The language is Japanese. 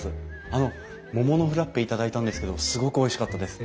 あの桃のフラッペ頂いたんですけどすごくおいしかったです。